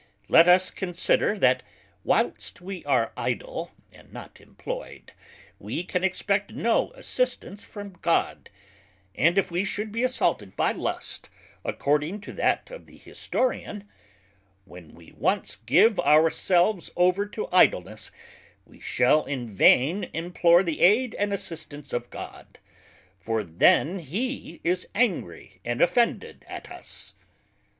Let us consider, that whilest we are idle, and not imployed, we can expect no assistance from God, if we should be assaulted by Lust: according to that of the Historian: _When we once give our selves over to idleness, we shall in vain implore the aid and assistance of God, for then he is angry and offended at us_.